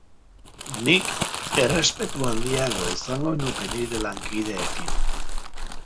Nik errespetu handiagoa izango nuke nire lankideekin.